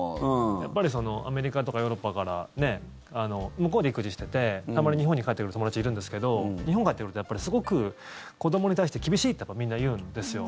やっぱりアメリカとかヨーロッパから向こうで育児しててたまに日本に帰ってくる友達いるんですけど日本に帰ってくるとやっぱりすごく子どもに対して厳しいってみんな言うんですよ。